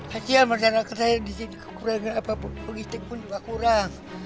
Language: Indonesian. hati hati masyarakat saya di sini kekurangan apa pun politik pun juga kurang